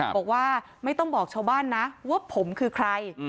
บอกว่าไม่ต้องบอกชาวบ้านนะว่าผมคือใคร